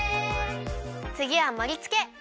つぎはもりつけ！